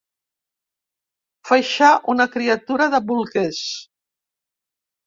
Faixar una criatura de bolquers.